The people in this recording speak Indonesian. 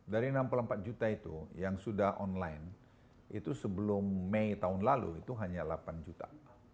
dari enam puluh empat juta itu yang sudah online itu sebelum mei tahun lalu itu hanya delapan juta